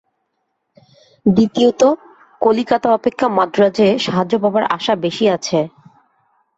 দ্বিতীয়ত কলিকাতা অপেক্ষা মান্দ্রাজে সাহায্য পাবার আশা বেশী আছে।